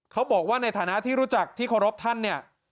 เขาบอกว่าในฐานะที่รู้จักที่เคารพท่านเนี่ย